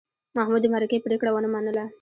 محمود د مرکې پرېکړه ونه منله.